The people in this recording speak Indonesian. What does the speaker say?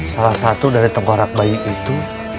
salah satu dari tengkorak bayi itu